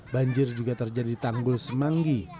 banjir juga terjadi di tanggul semanggi